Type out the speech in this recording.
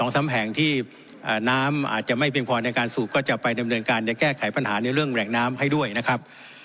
สามแห่งที่น้ำอาจจะไม่เพียงพอในการสูบก็จะไปดำเนินการจะแก้ไขปัญหาในเรื่องแหล่งน้ำให้ด้วยนะครับ